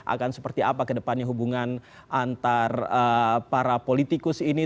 akan seperti apa kedepannya hubungan antara para politikus ini